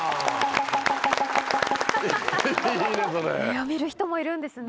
辞める人もいるんですね。